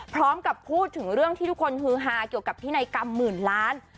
พร้อมกับพูดถึงเรื่องที่ทุกคนฮือฮาเกี่ยวกับพินัยกรรมหมื่นล้าน